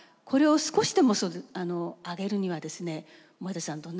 これを少しでも上げるにはですね盛田さん